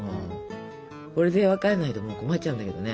これで分からないともう困っちゃうんだけどね。